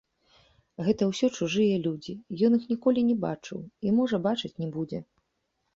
Гэта ўсё чужыя людзі, ён іх ніколі не бачыў і, можа, бачыць не будзе.